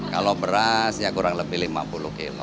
kalau beras ya kurang lebih lima puluh kg